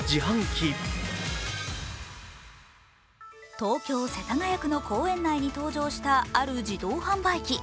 東京・世田谷区の公園内に登場した、ある自動販売機。